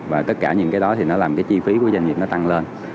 và tất cả những cái đó thì nó làm cái chi phí của doanh nghiệp nó tăng lên